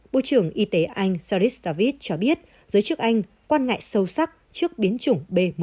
bộ trưởng y tế anh sardis david cho biết giới chức anh quan ngại sâu sắc trước biến chủng b một một